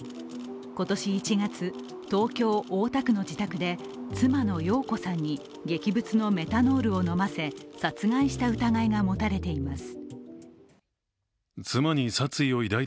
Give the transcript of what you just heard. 今年１月、東京・大田区の自宅で妻の容子さんに劇物のメタノールを飲ませ殺害した疑いが持たれています。